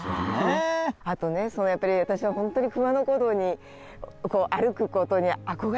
あとねやっぱり私はホントに熊野古道に歩くことに憧れてたんです。